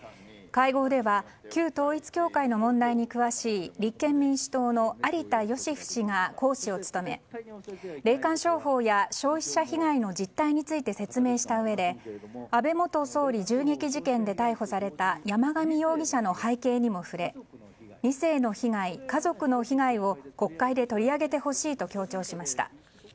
会合では旧統一教会の問題に詳しい立憲民主党の有田芳生氏が講師を務め霊感商法や消費者被害の実態について説明したうえで安倍元総理銃撃事件で逮捕された山上容疑者の背景にも触れ２世の被害、家族の被害を国会で取り上げてほしいと強調しました。